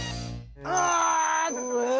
ああ！